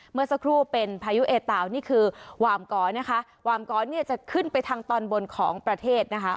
เมื่อสักครู่เป็นพายุเอตาวนี่คือวามกอนะคะวามกอเนี่ยจะขึ้นไปทางตอนบนของประเทศนะคะ